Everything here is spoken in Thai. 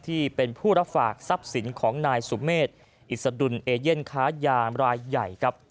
ที่เป็นผู้รับฝากทรัพย์สินของนายสุเมฆอิสดุลเอเย่นค้ายามรายใหญ่ครับ